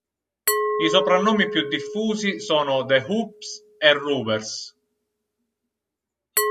I soprannomi più diffusi sono "The Hoops" e "Rovers".